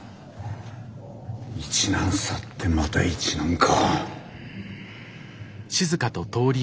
一難去ってまた一難か。